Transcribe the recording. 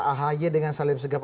kuatlah antara ahy dengan salim segap